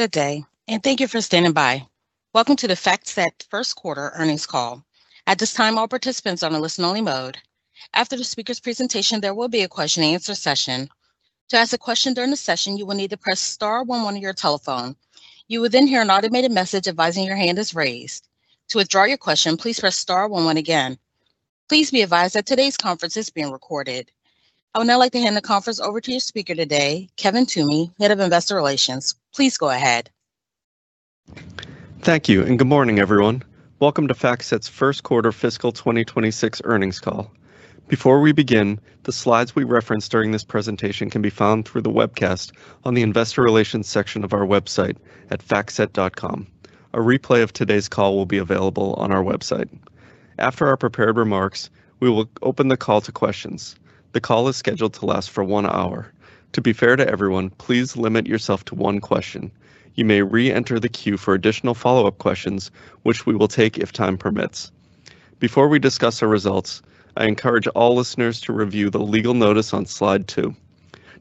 Good day, and thank you for standing by. Welcome to the FactSet first quarter earnings call. At this time, all participants are on a listen-only mode. After the speaker's presentation, there will be a question-and-answer session. To ask a question during the session, you will need to press star 11 on your telephone. You will then hear an automated message advising your hand is raised. To withdraw your question, please press star 11 again. Please be advised that today's conference is being recorded. I would now like to hand the conference over to your speaker today, Kevin Toomey, head of investor relations. Please go ahead. Thank you, and good morning, everyone. Welcome to FactSet's first quarter fiscal 2026 earnings call. Before we begin, the slides we referenced during this presentation can be found through the webcast on the investor relations section of our website at factset.com. A replay of today's call will be available on our website. After our prepared remarks, we will open the call to questions. The call is scheduled to last for one hour. To be fair to everyone, please limit yourself to one question. You may re-enter the queue for additional follow-up questions, which we will take if time permits. Before we discuss our results, I encourage all listeners to review the legal notice on slide two.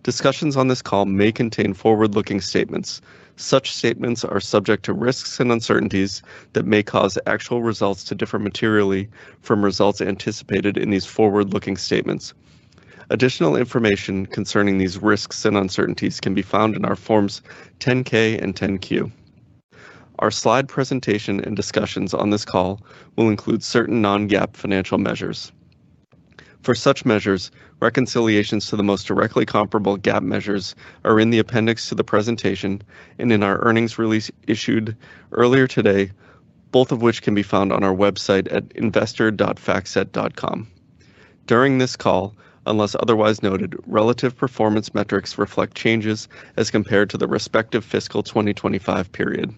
Discussions on this call may contain forward-looking statements. Such statements are subject to risks and uncertainties that may cause actual results to differ materially from results anticipated in these forward-looking statements. Additional information concerning these risks and uncertainties can be found in our forms 10-K and 10-Q. Our slide presentation and discussions on this call will include certain non-GAAP financial measures. For such measures, reconciliations to the most directly comparable GAAP measures are in the appendix to the presentation and in our earnings release issued earlier today, both of which can be found on our website at investor.factset.com. During this call, unless otherwise noted, relative performance metrics reflect changes as compared to the respective fiscal 2025 period.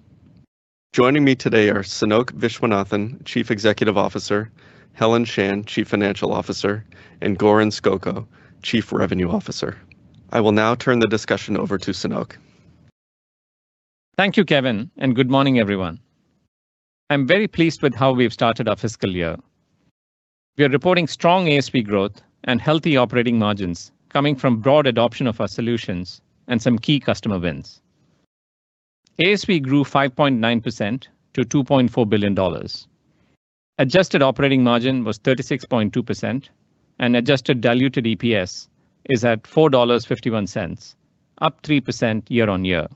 Joining me today are Sanoke Viswanathan, Chief Executive Officer, Helen Shan, Chief Financial Officer, and Goran Skoko, Chief Revenue Officer. I will now turn the discussion over to Sanoke. Thank you, Kevin, and good morning, everyone. I'm very pleased with how we've started our fiscal year. We are reporting strong ASP growth and healthy operating margins coming from broad adoption of our solutions and some key customer wins. ASP grew 5.9% to $2.4 billion. Adjusted operating margin was 36.2%, and adjusted diluted EPS is at $4.51, up 3% year on year.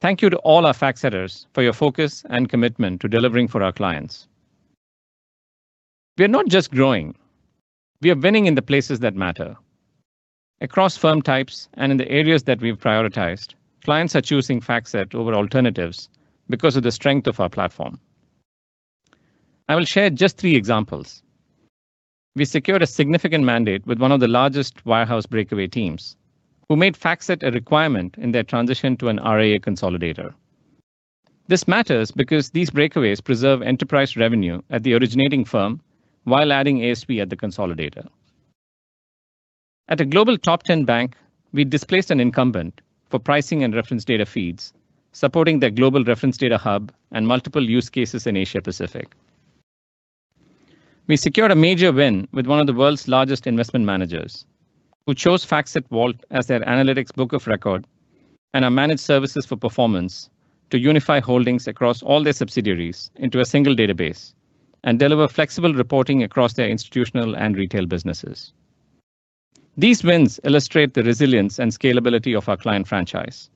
Thank you to all our FactSetters for your focus and commitment to delivering for our clients. We are not just growing. We are winning in the places that matter. Across firm types and in the areas that we've prioritized, clients are choosing FactSet over alternatives because of the strength of our platform. I will share just three examples. We secured a significant mandate with one of the largest wirehouse breakaway teams, who made FactSet a requirement in their transition to an RIA consolidator. This matters because these breakaways preserve enterprise revenue at the originating firm while adding ASP at the consolidator. At a global top-10 bank, we displaced an incumbent for pricing and reference data feeds, supporting the global reference data hub and multiple use cases in Asia-Pacific. We secured a major win with one of the world's largest investment managers, who chose FactSet Vault as their analytics book of record and our managed services for performance to unify holdings across all their subsidiaries into a single database and deliver flexible reporting across their institutional and retail businesses. These wins illustrate the resilience and scalability of our client franchise,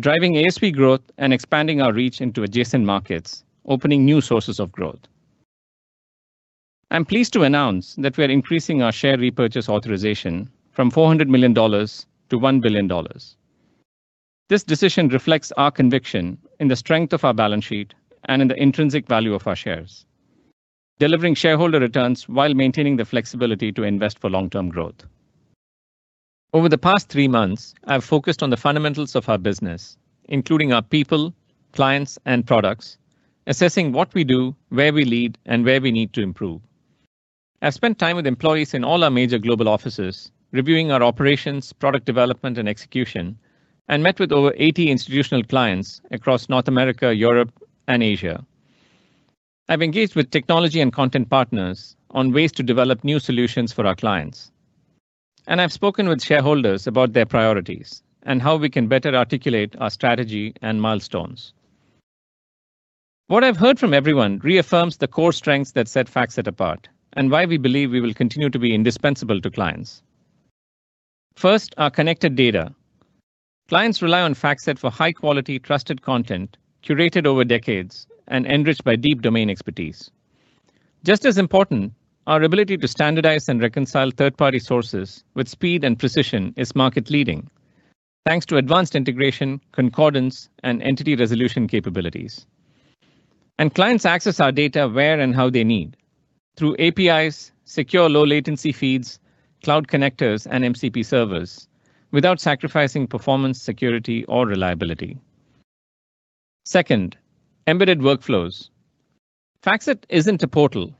driving ASP growth and expanding our reach into adjacent markets, opening new sources of growth. I'm pleased to announce that we are increasing our share repurchase authorization from $400 million to $1 billion. This decision reflects our conviction in the strength of our balance sheet and in the intrinsic value of our shares, delivering shareholder returns while maintaining the flexibility to invest for long-term growth. Over the past three months, I've focused on the fundamentals of our business, including our people, clients, and products, assessing what we do, where we lead, and where we need to improve. I've spent time with employees in all our major global offices, reviewing our operations, product development, and execution, and met with over 80 institutional clients across North America, Europe, and Asia. I've engaged with technology and content partners on ways to develop new solutions for our clients, and I've spoken with shareholders about their priorities and how we can better articulate our strategy and milestones. What I've heard from everyone reaffirms the core strengths that set FactSet apart and why we believe we will continue to be indispensable to clients. First, our connected data. Clients rely on FactSet for high-quality, trusted content curated over decades and enriched by deep domain expertise. Just as important, our ability to standardize and reconcile third-party sources with speed and precision is market-leading, thanks to advanced integration, concordance, and entity resolution capabilities. And clients access our data where and how they need, through APIs, secure low-latency feeds, cloud connectors, and MCP servers, without sacrificing performance, security, or reliability. Second, embedded workflows. FactSet isn't a portal.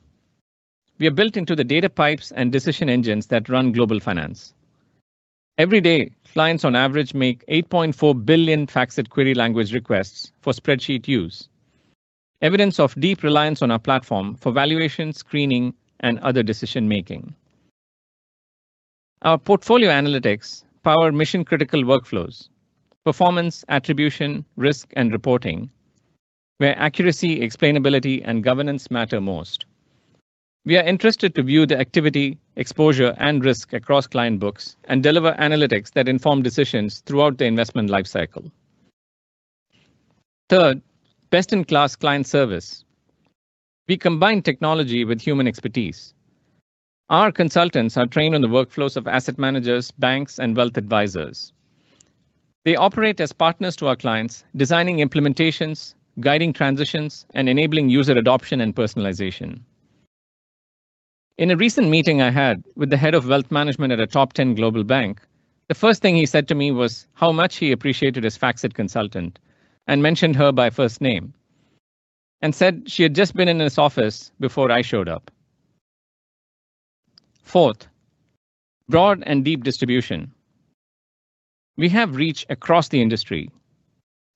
We are built into the data pipes and decision engines that run global finance. Every day, clients on average make 8.4 billion FactSet Query Language requests for spreadsheet use, evidence of deep reliance on our platform for valuation, screening, and other decision-making. Our portfolio analytics power mission-critical workflows: performance, attribution, risk, and reporting, where accuracy, explainability, and governance matter most. We are interested to view the activity, exposure, and risk across client books and deliver analytics that inform decisions throughout the investment lifecycle. Third, best-in-class client service. We combine technology with human expertise. Our consultants are trained on the workflows of asset managers, banks, and wealth advisors. They operate as partners to our clients, designing implementations, guiding transitions, and enabling user adoption and personalization. In a recent meeting I had with the head of wealth management at a top 10 global bank, the first thing he said to me was how much he appreciated his FactSet consultant and mentioned her by first name and said she had just been in his office before I showed up. Fourth, broad and deep distribution. We have reach across the industry.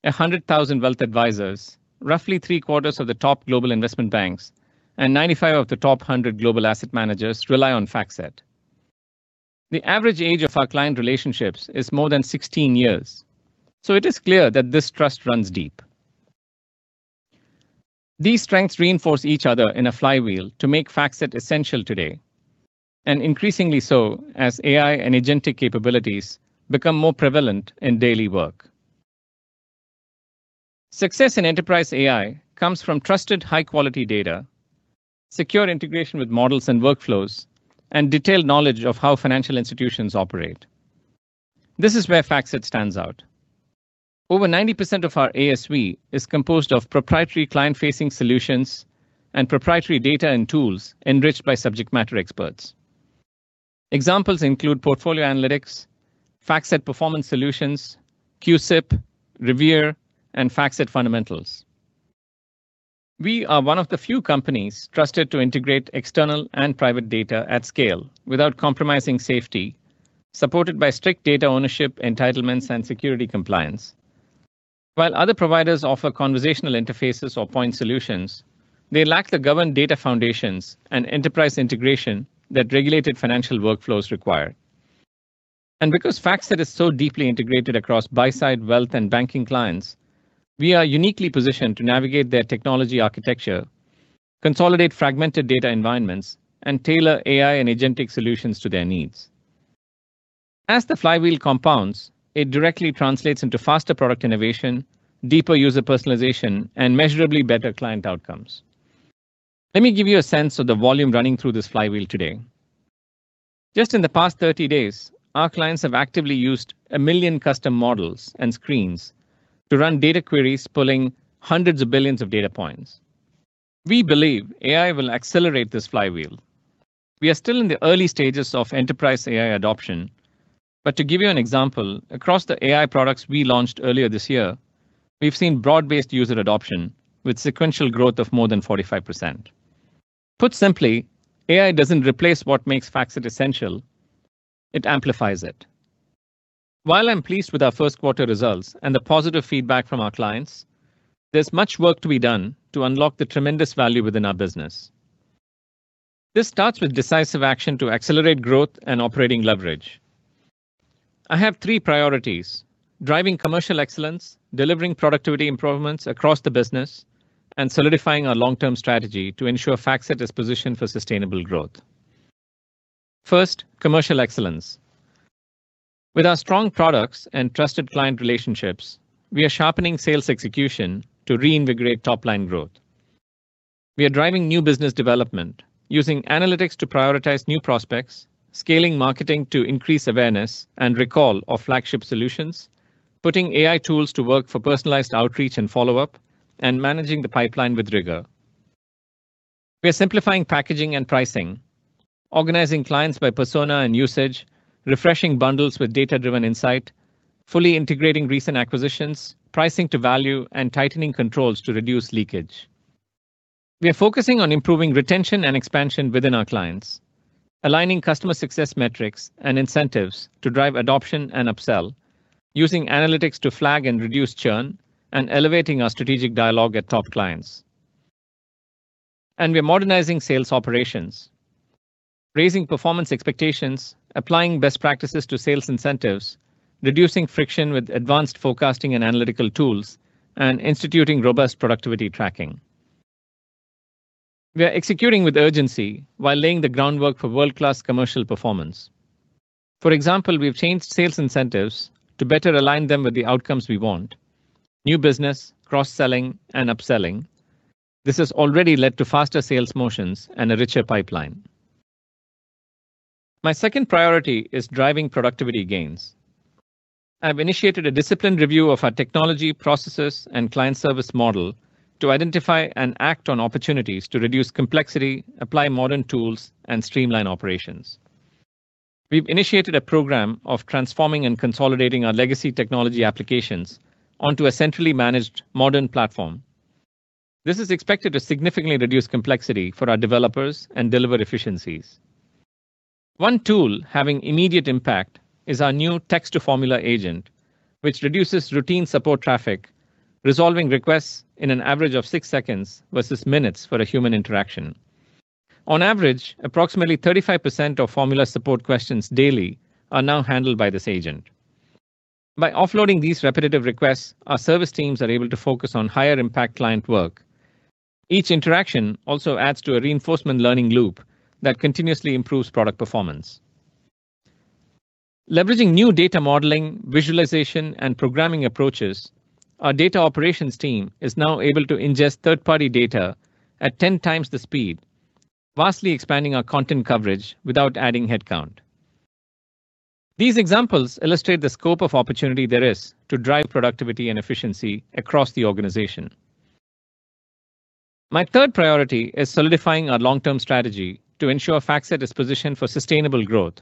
100,000 wealth advisors, roughly three-quarters of the top global investment banks, and 95 of the top 100 global asset managers rely on FactSet. The average age of our client relationships is more than 16 years, so it is clear that this trust runs deep. These strengths reinforce each other in a flywheel to make FactSet essential today, and increasingly so as AI and agentic capabilities become more prevalent in daily work. Success in enterprise AI comes from trusted, high-quality data, secure integration with models and workflows, and detailed knowledge of how financial institutions operate. This is where FactSet stands out. Over 90% of our ASV is composed of proprietary client-facing solutions and proprietary data and tools enriched by subject matter experts. Examples include portfolio analytics, FactSet Performance Solutions, CUSIP, Revere, and FactSet Fundamentals. We are one of the few companies trusted to integrate external and private data at scale without compromising safety, supported by strict data ownership, entitlements, and security compliance. While other providers offer conversational interfaces or point solutions, they lack the governed data foundations and enterprise integration that regulated financial workflows require. And because FactSet is so deeply integrated across buy-side wealth and banking clients, we are uniquely positioned to navigate their technology architecture, consolidate fragmented data environments, and tailor AI and agentic solutions to their needs. As the flywheel compounds, it directly translates into faster product innovation, deeper user personalization, and measurably better client outcomes. Let me give you a sense of the volume running through this flywheel today. Just in the past 30 days, our clients have actively used a million custom models and screens to run data queries pulling hundreds of billions of data points. We believe AI will accelerate this flywheel. We are still in the early stages of enterprise AI adoption, but to give you an example, across the AI products we launched earlier this year, we've seen broad-based user adoption with sequential growth of more than 45%. Put simply, AI doesn't replace what makes FactSet essential. It amplifies it. While I'm pleased with our first quarter results and the positive feedback from our clients, there's much work to be done to unlock the tremendous value within our business. This starts with decisive action to accelerate growth and operating leverage. I have three priorities: driving commercial excellence, delivering productivity improvements across the business, and solidifying our long-term strategy to ensure FactSet is positioned for sustainable growth. First, commercial excellence. With our strong products and trusted client relationships, we are sharpening sales execution to reinvigorate top-line growth. We are driving new business development, using analytics to prioritize new prospects, scaling marketing to increase awareness and recall of flagship solutions, putting AI tools to work for personalized outreach and follow-up, and managing the pipeline with rigor. We are simplifying packaging and pricing, organizing clients by persona and usage, refreshing bundles with data-driven insight, fully integrating recent acquisitions, pricing to value, and tightening controls to reduce leakage. We are focusing on improving retention and expansion within our clients, aligning customer success metrics and incentives to drive adoption and upsell, using analytics to flag and reduce churn, and elevating our strategic dialogue at top clients. We are modernizing sales operations, raising performance expectations, applying best practices to sales incentives, reducing friction with advanced forecasting and analytical tools, and instituting robust productivity tracking. We are executing with urgency while laying the groundwork for world-class commercial performance. For example, we've changed sales incentives to better align them with the outcomes we want: new business, cross-selling, and upselling. This has already led to faster sales motions and a richer pipeline. My second priority is driving productivity gains. I've initiated a disciplined review of our technology, processes, and client service model to identify and act on opportunities to reduce complexity, apply modern tools, and streamline operations. We've initiated a program of transforming and consolidating our legacy technology applications onto a centrally managed modern platform. This is expected to significantly reduce complexity for our developers and deliver efficiencies. One tool having immediate impact is our new Text-to-Formula Agent, which reduces routine support traffic, resolving requests in an average of six seconds versus minutes for a human interaction. On average, approximately 35% of formula support questions daily are now handled by this agent. By offloading these repetitive requests, our service teams are able to focus on higher-impact client work. Each interaction also adds to a reinforcement learning loop that continuously improves product performance. Leveraging new data modeling, visualization, and programming approaches, our data operations team is now able to ingest third-party data at 10 times the speed, vastly expanding our content coverage without adding headcount. These examples illustrate the scope of opportunity there is to drive productivity and efficiency across the organization. My third priority is solidifying our long-term strategy to ensure FactSet is positioned for sustainable growth.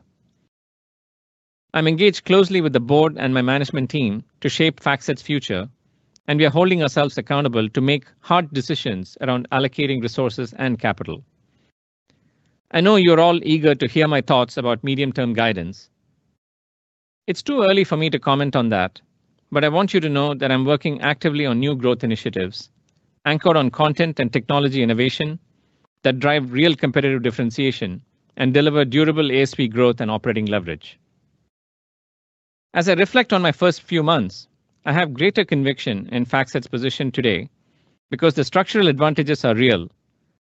I'm engaged closely with the board and my management team to shape FactSet's future, and we are holding ourselves accountable to make hard decisions around allocating resources and capital. I know you're all eager to hear my thoughts about medium-term guidance. It's too early for me to comment on that, but I want you to know that I'm working actively on new growth initiatives anchored on content and technology innovation that drive real competitive differentiation and deliver durable ASV growth and operating leverage. As I reflect on my first few months, I have greater conviction in FactSet's position today because the structural advantages are real,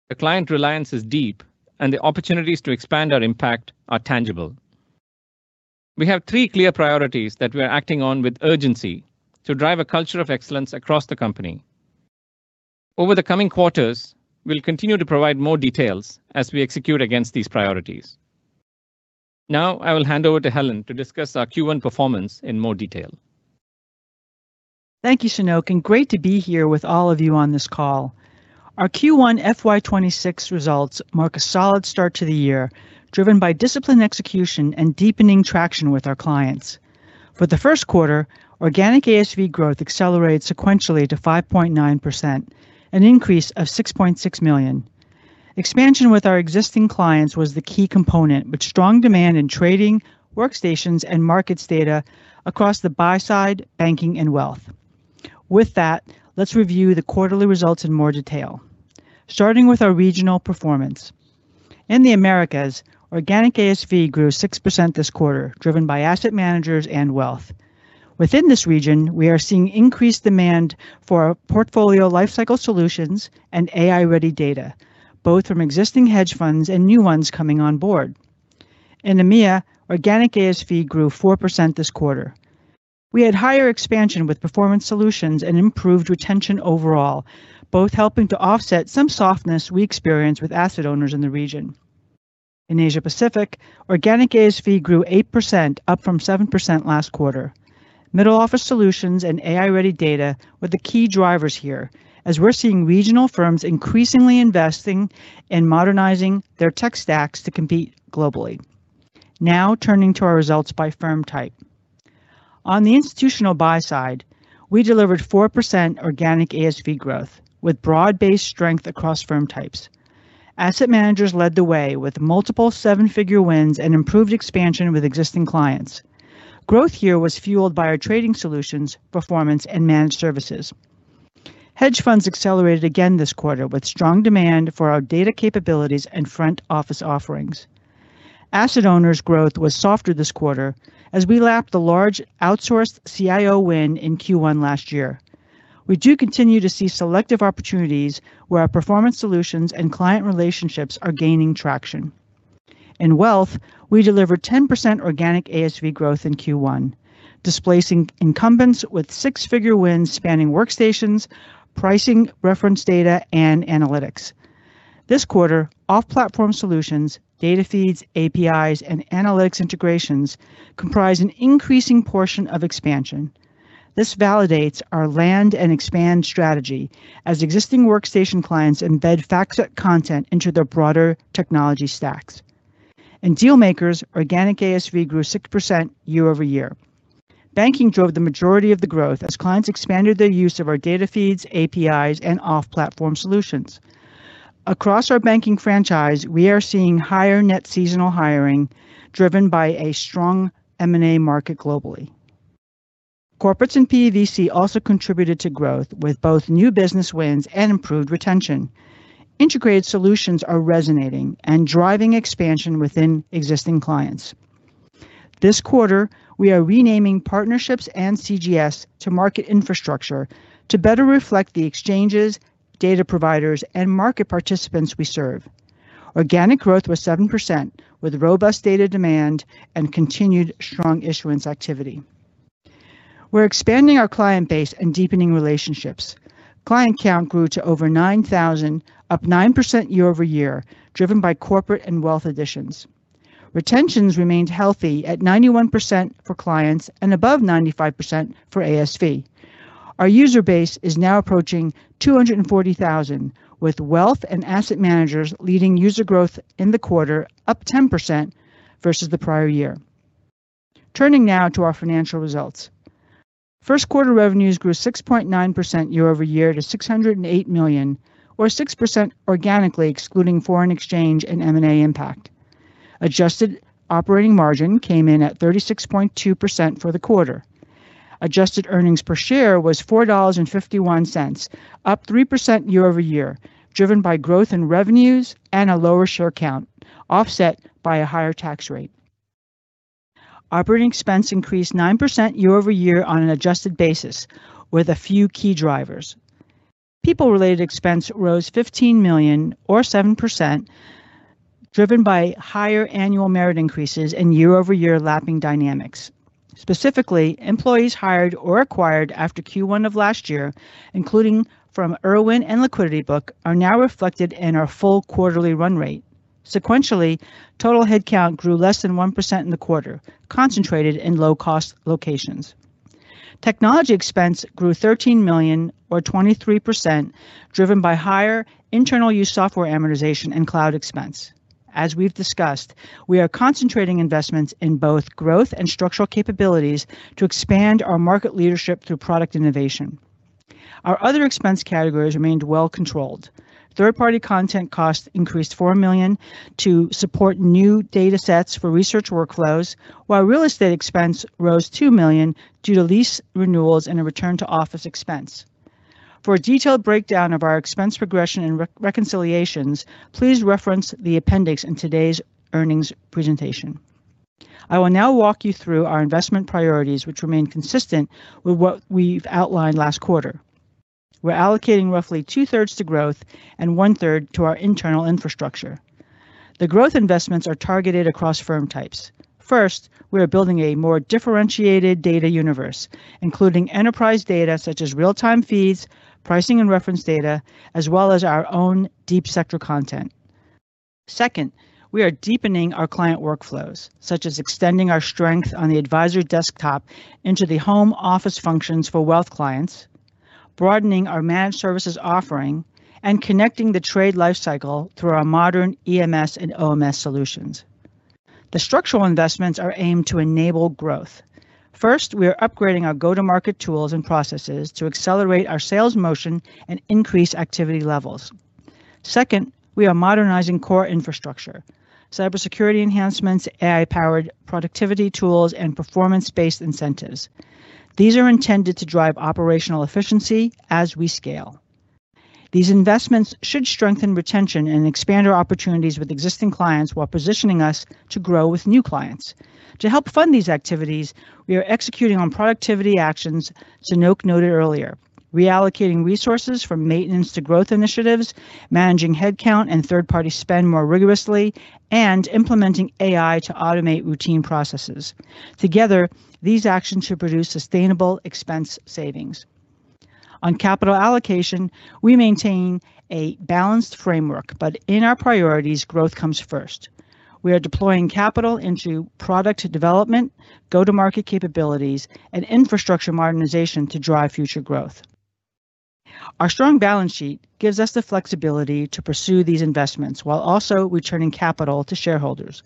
the client reliance is deep, and the opportunities to expand our impact are tangible. We have three clear priorities that we are acting on with urgency to drive a culture of excellence across the company. Over the coming quarters, we'll continue to provide more details as we execute against these priorities. Now, I will hand over to Helen to discuss our Q1 performance in more detail. Thank you, Sanoke. And great to be here with all of you on this call. Our Q1 FY26 results mark a solid start to the year, driven by disciplined execution and deepening traction with our clients. For the first quarter, organic ASV growth accelerated sequentially to 5.9%, an increase of $6.6 million. Expansion with our existing clients was the key component, with strong demand in trading, workstations, and markets data across the buy-side, banking, and wealth. With that, let's review the quarterly results in more detail, starting with our regional performance. In the Americas, organic ASV grew 6% this quarter, driven by asset managers and wealth. Within this region, we are seeing increased demand for portfolio lifecycle solutions and AI-ready data, both from existing hedge funds and new ones coming on board. In EMEA, organic ASV grew 4% this quarter. We had higher expansion with performance solutions and improved retention overall, both helping to offset some softness we experienced with asset owners in the region. In Asia-Pacific, organic ASV grew 8%, up from 7% last quarter. Middle office solutions and AI-ready data were the key drivers here, as we're seeing regional firms increasingly investing and modernizing their tech stacks to compete globally. Now, turning to our results by firm type. On the institutional buy-side, we delivered 4% organic ASV growth with broad-based strength across firm types. Asset managers led the way with multiple seven-figure wins and improved expansion with existing clients. Growth here was fueled by our trading solutions, performance, and managed services. Hedge funds accelerated again this quarter with strong demand for our data capabilities and front-office offerings. Asset owners' growth was softer this quarter as we lapped the large outsourced CIO win in Q1 last year. We do continue to see selective opportunities where our performance solutions and client relationships are gaining traction. In wealth, we delivered 10% organic ASV growth in Q1, displacing incumbents with six-figure wins spanning workstations, pricing, reference data, and analytics. This quarter, off-platform solutions, data feeds, APIs, and analytics integrations comprise an increasing portion of expansion. This validates our land-and-expand strategy as existing workstation clients embed FactSet content into their broader technology stacks. In dealmakers, organic ASV grew 6% year over year. Banking drove the majority of the growth as clients expanded their use of our data feeds, APIs, and off-platform solutions. Across our banking franchise, we are seeing higher net seasonal hiring driven by a strong M&A market globally. Corporates and PVC also contributed to growth with both new business wins and improved retention. Integrated solutions are resonating and driving expansion within existing clients. This quarter, we are renaming partnerships and CGS to market infrastructure to better reflect the exchanges, data providers, and market participants we serve. Organic growth was 7% with robust data demand and continued strong issuance activity. We're expanding our client base and deepening relationships. Client count grew to over 9,000, up 9% year over year, driven by corporate and wealth additions. Retentions remained healthy at 91% for clients and above 95% for ASV. Our user base is now approaching 240,000, with wealth and asset managers leading user growth in the quarter up 10% versus the prior year. Turning now to our financial results. First quarter revenues grew 6.9% year over year to $608 million, or 6% organically excluding foreign exchange and M&A impact. Adjusted operating margin came in at 36.2% for the quarter. Adjusted earnings per share was $4.51, up 3% year over year, driven by growth in revenues and a lower share count, offset by a higher tax rate. Operating expense increased 9% year over year on an adjusted basis, with a few key drivers. People-related expense rose $15 million, or 7%, driven by higher annual merit increases and year-over-year lapping dynamics. Specifically, employees hired or acquired after Q1 of last year, including from Irwin and LiquidityBook, are now reflected in our full quarterly run rate. Sequentially, total headcount grew less than 1% in the quarter, concentrated in low-cost locations. Technology expense grew $13 million, or 23%, driven by higher internal-use software amortization and cloud expense. As we've discussed, we are concentrating investments in both growth and structural capabilities to expand our market leadership through product innovation. Our other expense categories remained well-controlled. Third-party content costs increased $4 million to support new data sets for research workflows, while real estate expense rose $2 million due to lease renewals and a return-to-office expense. For a detailed breakdown of our expense progression and reconciliations, please reference the appendix in today's earnings presentation. I will now walk you through our investment priorities, which remain consistent with what we've outlined last quarter. We're allocating roughly two-thirds to growth and one-third to our internal infrastructure. The growth investments are targeted across firm types. First, we are building a more differentiated data universe, including enterprise data such as real-time feeds, pricing and reference data, as well as our own deep sector content. Second, we are deepening our client workflows, such as extending our strength on the advisor desktop into the home office functions for wealth clients, broadening our managed services offering, and connecting the trade lifecycle through our modern EMS and OMS solutions. The structural investments are aimed to enable growth. First, we are upgrading our go-to-market tools and processes to accelerate our sales motion and increase activity levels. Second, we are modernizing core infrastructure: cybersecurity enhancements, AI-powered productivity tools, and performance-based incentives. These are intended to drive operational efficiency as we scale. These investments should strengthen retention and expand our opportunities with existing clients while positioning us to grow with new clients. To help fund these activities, we are executing on productivity actions Sanoke noted earlier, reallocating resources from maintenance to growth initiatives, managing headcount and third-party spend more rigorously, and implementing AI to automate routine processes. Together, these actions should produce sustainable expense savings. On capital allocation, we maintain a balanced framework, but in our priorities, growth comes first. We are deploying capital into product development, go-to-market capabilities, and infrastructure modernization to drive future growth. Our strong balance sheet gives us the flexibility to pursue these investments while also returning capital to shareholders.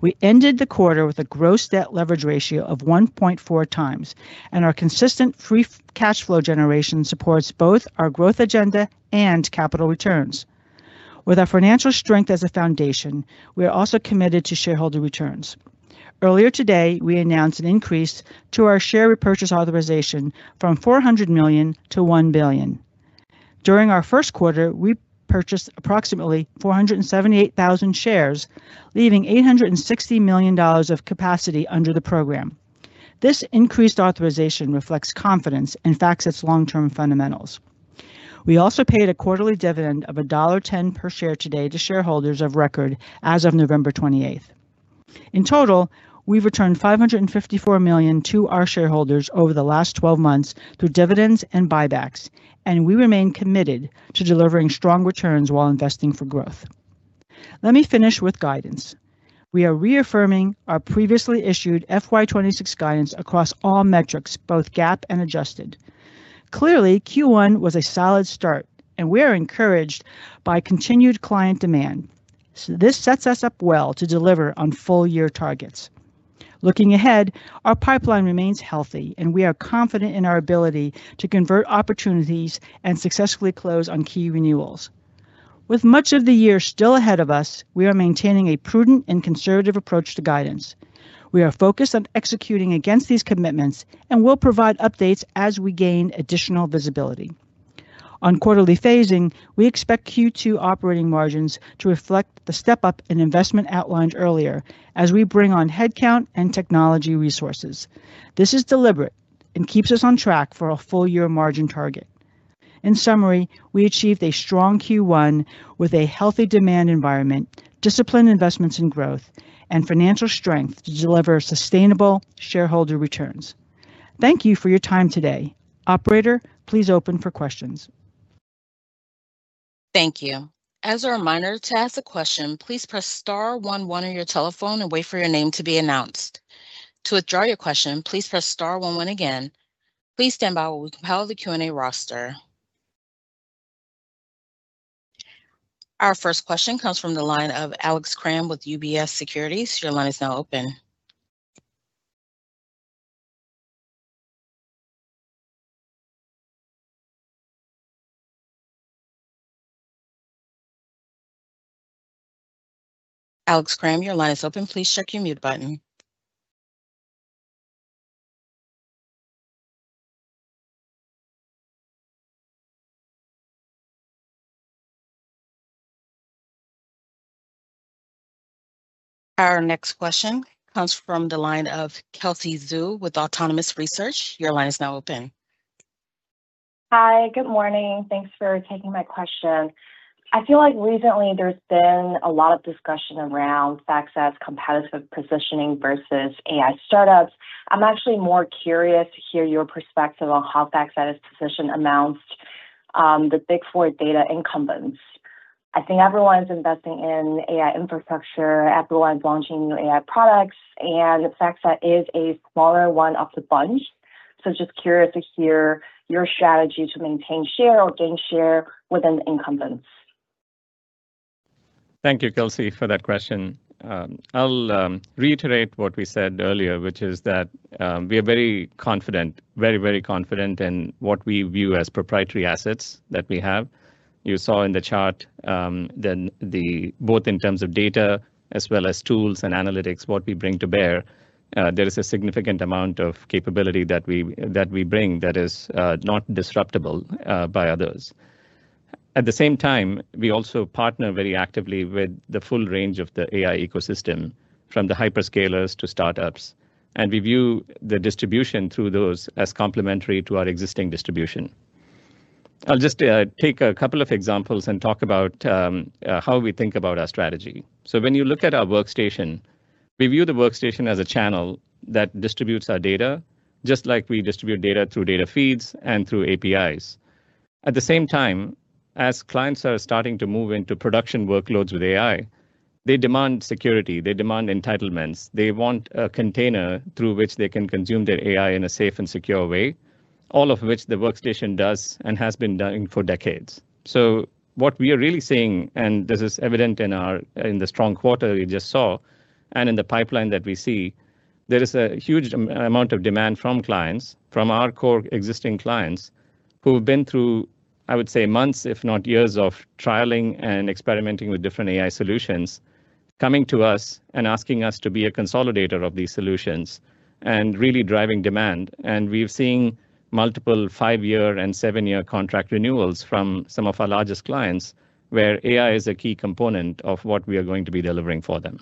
We ended the quarter with a gross debt leverage ratio of 1.4 times, and our consistent free cash flow generation supports both our growth agenda and capital returns. With our financial strength as a foundation, we are also committed to shareholder returns. Earlier today, we announced an increase to our share repurchase authorization from 400 million to 1 billion. During our first quarter, we purchased approximately 478,000 shares, leaving $860 million of capacity under the program. This increased authorization reflects confidence in FactSet's long-term fundamentals. We also paid a quarterly dividend of $1.10 per share today to shareholders of record as of November 28th. In total, we've returned $554 million to our shareholders over the last 12 months through dividends and buybacks, and we remain committed to delivering strong returns while investing for growth. Let me finish with guidance. We are reaffirming our previously issued FY26 guidance across all metrics, both GAAP and adjusted. Clearly, Q1 was a solid start, and we are encouraged by continued client demand. This sets us up well to deliver on full-year targets. Looking ahead, our pipeline remains healthy, and we are confident in our ability to convert opportunities and successfully close on key renewals. With much of the year still ahead of us, we are maintaining a prudent and conservative approach to guidance. We are focused on executing against these commitments and will provide updates as we gain additional visibility. On quarterly phasing, we expect Q2 operating margins to reflect the step-up in investment outlined earlier as we bring on headcount and technology resources. This is deliberate and keeps us on track for a full-year margin target. In summary, we achieved a strong Q1 with a healthy demand environment, disciplined investments in growth, and financial strength to deliver sustainable shareholder returns. Thank you for your time today. Operator, please open for questions. Thank you. As a reminder to ask a question, please press star 11 on your telephone and wait for your name to be announced. To withdraw your question, please press star 11 again. Please stand by while we compile the Q&A roster. Our first question comes from the line of Alex Kramm with UBS. Your line is now open. Alex Kramm, your line is open. Please check your mute button. Our next question comes from the line of Kelsey Zhu with Autonomous Research. Your line is now open. Hi, good morning. Thanks for taking my question. I feel like recently there's been a lot of discussion around FactSet's competitive positioning versus AI startups. I'm actually more curious to hear your perspective on how FactSet's position amounts to the Big Four data incumbents. I think everyone's investing in AI infrastructure. Everyone's launching new AI products, and FactSet is a smaller one of the bunch. So just curious to hear your strategy to maintain share or gain share within the incumbents. Thank you, Kelsey, for that question. I'll reiterate what we said earlier, which is that we are very confident, very, very confident in what we view as proprietary assets that we have. You saw in the chart that both in terms of data as well as tools and analytics, what we bring to bear, there is a significant amount of capability that we bring that is not disruptable by others. At the same time, we also partner very actively with the full range of the AI ecosystem, from the hyperscalers to startups, and we view the distribution through those as complementary to our existing distribution. I'll just take a couple of examples and talk about how we think about our strategy. So when you look at our Workstation, we view the Workstation as a channel that distributes our data, just like we distribute data through data feeds and through APIs. At the same time, as clients are starting to move into production workloads with AI, they demand security. They demand entitlements. They want a container through which they can consume their AI in a safe and secure way, all of which the Workstation does and has been doing for decades. So what we are really seeing, and this is evident in the strong quarter you just saw, and in the pipeline that we see, there is a huge amount of demand from clients, from our core existing clients, who have been through, I would say, months, if not years, of trialing and experimenting with different AI solutions, coming to us and asking us to be a consolidator of these solutions and really driving demand. And we've seen multiple five-year and seven-year contract renewals from some of our largest clients, where AI is a key component of what we are going to be delivering for them.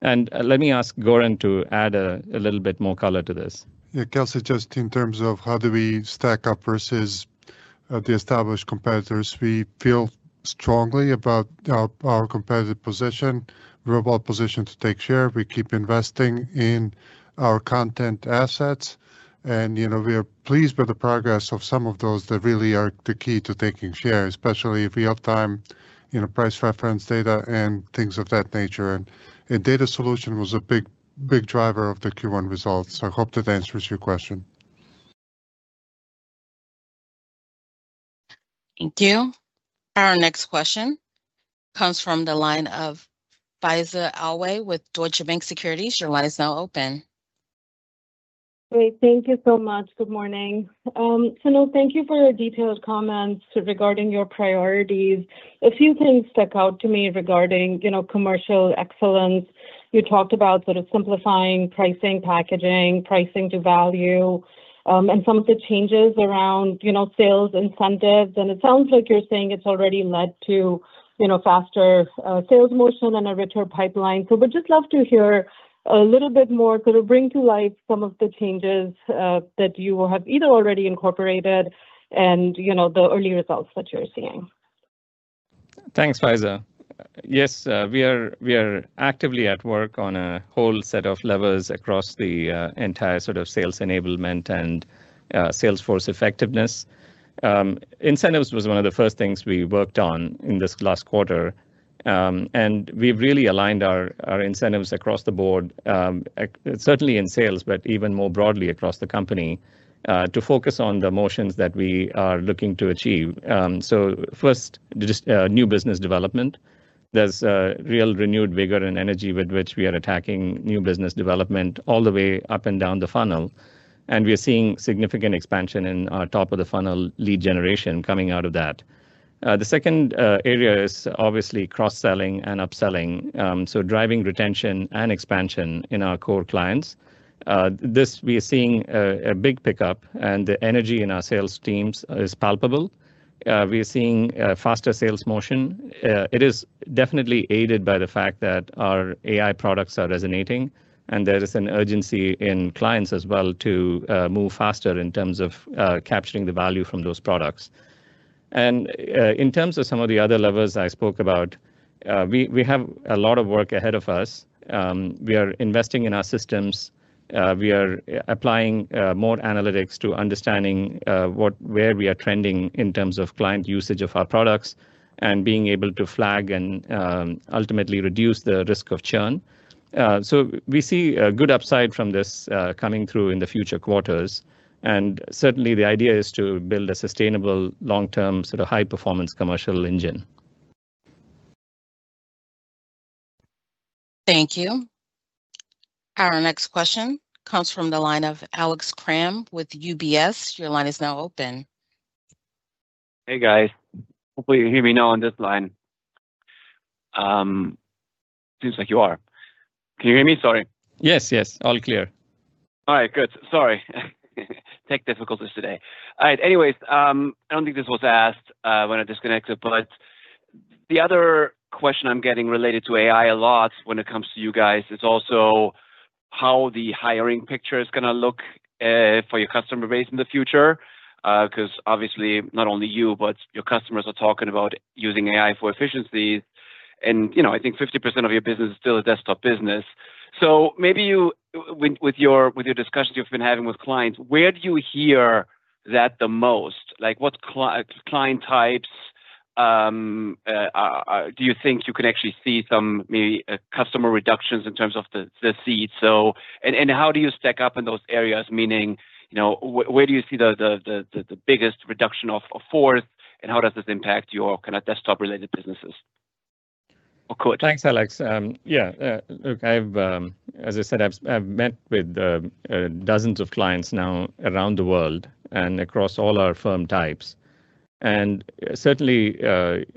And let me ask Goran to add a little bit more color to this. Yeah, Kelsey, just in terms of how do we stack up versus the established competitors, we feel strongly about our competitive position, robust position to take share. We keep investing in our content assets, and we are pleased with the progress of some of those that really are the key to taking share, especially in time and price reference data and things of that nature. And data solution was a big, big driver of the Q1 results. I hope that answers your question. Thank you. Our next question comes from the line of Faiza Alwy with Deutsche Bank. Your line is now open. Great. Thank you so much. Good morning. Sanoke, thank you for your detailed comments regarding your priorities. A few things stuck out to me regarding commercial excellence. You talked about sort of simplifying pricing, packaging, pricing to value, and some of the changes around sales incentives. And it sounds like you're saying it's already led to faster sales motion and a richer pipeline. So we'd just love to hear a little bit more to bring to life some of the changes that you have either already incorporated and the early results that you're seeing. Thanks, Faiza. Yes, we are actively at work on a whole set of levers across the entire sort of sales enablement and sales force effectiveness. Incentives was one of the first things we worked on in this last quarter, and we've really aligned our incentives across the board, certainly in sales, but even more broadly across the company, to focus on the motions that we are looking to achieve. So first, new business development. There's a real renewed vigor and energy with which we are attacking new business development all the way up and down the funnel. And we're seeing significant expansion in our top of the funnel lead generation coming out of that. The second area is obviously cross-selling and upselling, so driving retention and expansion in our core clients. We are seeing a big pickup, and the energy in our sales teams is palpable. We are seeing faster sales motion. It is definitely aided by the fact that our AI products are resonating, and there is an urgency in clients as well to move faster in terms of capturing the value from those products. And in terms of some of the other levers I spoke about, we have a lot of work ahead of us. We are investing in our systems. We are applying more analytics to understanding where we are trending in terms of client usage of our products and being able to flag and ultimately reduce the risk of churn. So we see a good upside from this coming through in the future quarters. And certainly, the idea is to build a sustainable long-term sort of high-performance commercial engine. Thank you. Our next question comes from the line of Alex Kramm with UBS. Your line is now open. Hey, guys. Hopefully, you hear me now on this line. Seems like you are. Can you hear me? Sorry. Yes, yes. All clear. All right. Good. Sorry. Tech difficulties today. All right. Anyways, I don't think this was asked when I disconnected, but the other question I'm getting related to AI a lot when it comes to you guys is also how the hiring picture is going to look for your customer base in the future, because obviously, not only you, but your customers are talking about using AI for efficiencies. And I think 50% of your business is still a desktop business. So maybe with your discussions you've been having with clients, where do you hear that the most? What client types do you think you can actually see some customer reductions in terms of the seats? And how do you stack up in those areas? Meaning, where do you see the biggest reduction in force, and how does this impact your kind of desktop-related businesses? Thanks, Alex. Yeah. Look, as I said, I've met with dozens of clients now around the world and across all our firm types. And certainly,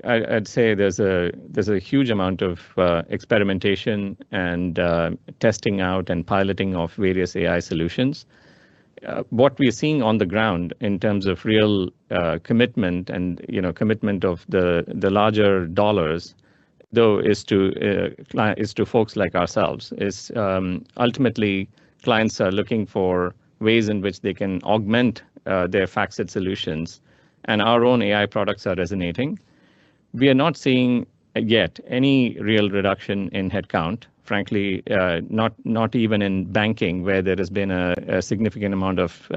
I'd say there's a huge amount of experimentation and testing out and piloting of various AI solutions. What we are seeing on the ground in terms of real commitment and commitment of the larger dollars, though, is to folks like ourselves. Ultimately, clients are looking for ways in which they can augment their FactSet solutions, and our own AI products are resonating. We are not seeing yet any real reduction in headcount, frankly, not even in banking, where there has been a significant amount of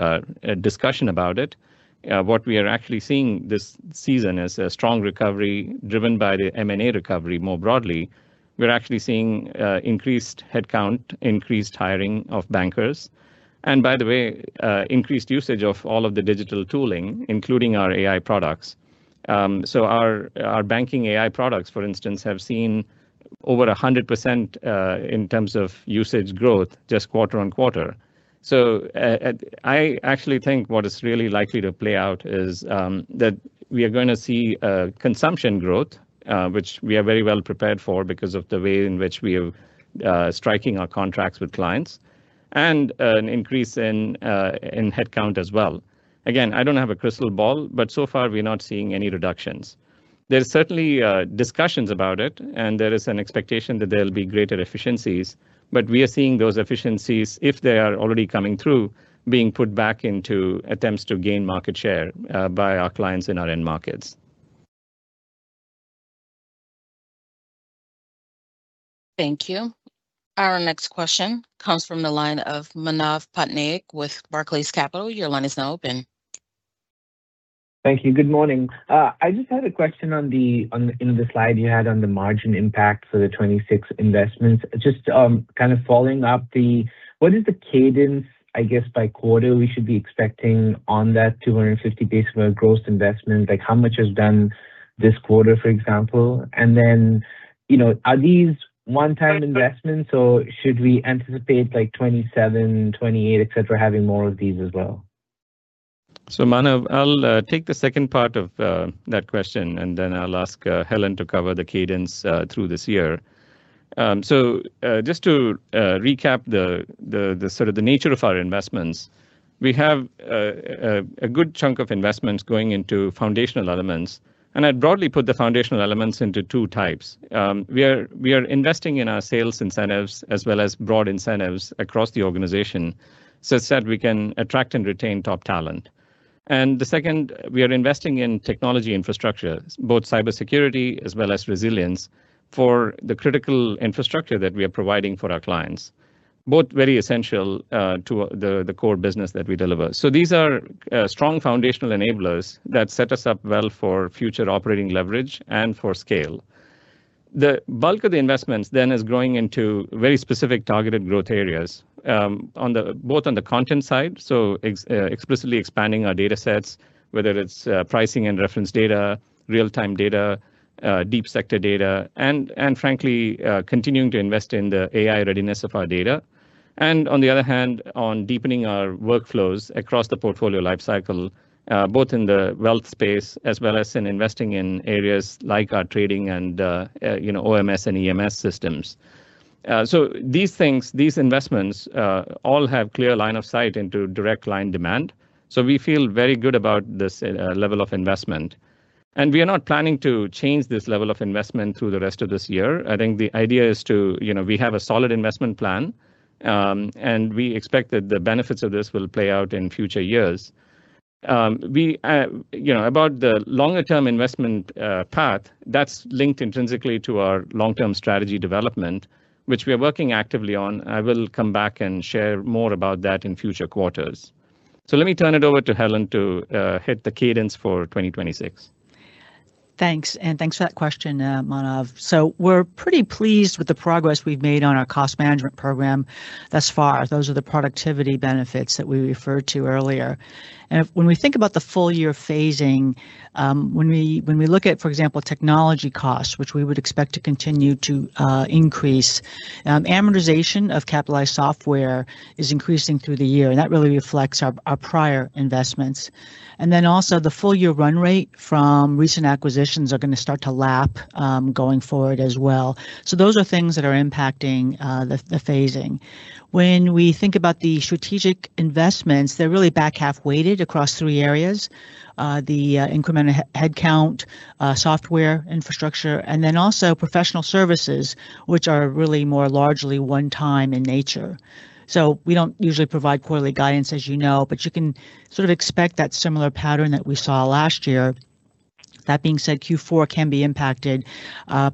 discussion about it. What we are actually seeing this season is a strong recovery driven by the M&A recovery more broadly. We're actually seeing increased headcount, increased hiring of bankers, and by the way, increased usage of all of the digital tooling, including our AI products. So our banking AI products, for instance, have seen over 100% in terms of usage growth just quarter on quarter. So I actually think what is really likely to play out is that we are going to see consumption growth, which we are very well prepared for because of the way in which we are striking our contracts with clients, and an increase in headcount as well. Again, I don't have a crystal ball, but so far, we're not seeing any reductions. There's certainly discussions about it, and there is an expectation that there'll be greater efficiencies, but we are seeing those efficiencies, if they are already coming through, being put back into attempts to gain market share by our clients in our end markets. Thank you. Our next question comes from the line of Manav Patnaik with Barclays. Your line is now open. Thank you. Good morning. I just had a question on the slide you had on the margin impact for the 26 investments. Just kind of following up, what is the cadence, I guess, by quarter we should be expecting on that 250 basis points gross investment? How much has done this quarter, for example? And then are these one-time investments? So should we anticipate 27, 28, etc., having more of these as well? So Manav, I'll take the second part of that question, and then I'll ask Helen to cover the cadence through this year. So just to recap the sort of the nature of our investments, we have a good chunk of investments going into foundational elements. And I'd broadly put the foundational elements into two types. We are investing in our sales incentives as well as broad incentives across the organization such that we can attract and retain top talent, and the second, we are investing in technology infrastructure, both cybersecurity as well as resilience for the critical infrastructure that we are providing for our clients, both very essential to the core business that we deliver, so these are strong foundational enablers that set us up well for future operating leverage and for scale. The bulk of the investments then is growing into very specific targeted growth areas, both on the content side, so explicitly expanding our data sets, whether it's pricing and reference data, real-time data, deep-sector data, and frankly, continuing to invest in the AI readiness of our data. On the other hand, on deepening our workflows across the portfolio lifecycle, both in the wealth space as well as in investing in areas like our trading and OMS and EMS systems. So these things, these investments all have clear line of sight into direct line demand. So we feel very good about this level of investment. And we are not planning to change this level of investment through the rest of this year. I think the idea is that we have a solid investment plan, and we expect that the benefits of this will play out in future years. About the longer-term investment path, that's linked intrinsically to our long-term strategy development, which we are working actively on. I will come back and share more about that in future quarters. So let me turn it over to Helen to hit the guidance for 2026. Thanks. Thanks for that question, Manav. We're pretty pleased with the progress we've made on our cost management program thus far. Those are the productivity benefits that we referred to earlier. When we think about the full-year phasing, when we look at, for example, technology costs, which we would expect to continue to increase, amortization of capitalized software is increasing through the year. That really reflects our prior investments. Then also, the full-year run rate from recent acquisitions are going to start to lap going forward as well. Those are things that are impacting the phasing. When we think about the strategic investments, they're really back half-weighted across three areas: the incremental headcount, software infrastructure, and then also professional services, which are really more largely one-time in nature. So we don't usually provide quarterly guidance, as you know, but you can sort of expect that similar pattern that we saw last year. That being said, Q4 can be impacted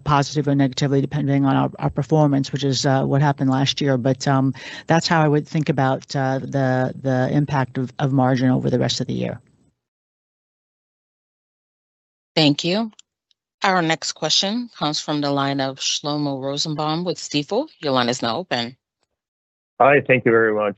positive or negatively depending on our performance, which is what happened last year. But that's how I would think about the impact of margin over the rest of the year. Thank you. Our next question comes from the line of Shlomo Rosenbaum with Stifel. Your line is now open. Hi. Thank you very much.